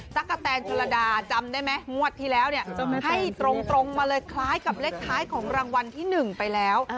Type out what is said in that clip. กะแตนชนระดาจำได้ไหมงวดที่แล้วเนี่ยให้ตรงมาเลยคล้ายกับเลขท้ายของรางวัลที่๑ไปแล้ว